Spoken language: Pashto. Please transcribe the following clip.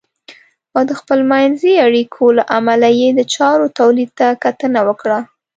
او د خپلمنځي اړیکو له امله یې د چارو تولید ته کتنه وکړه .